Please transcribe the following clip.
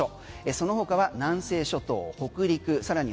その他は南西諸島、北陸さらに